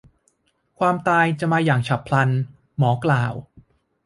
ความตายจะมาอย่างฉับพลัน หมอกล่าว